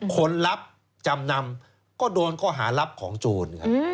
คนรับจำนำก็โดนข้อหารับของโจร